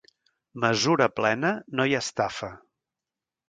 Mesura plena, no hi ha estafa.